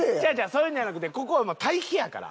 そういうんじゃなくてここはもう対比やから。